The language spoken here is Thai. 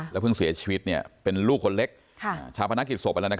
เพิ่งเสียชีวิตเป็นลูกคนเล็กชาวพนักกิจศพไปแล้ว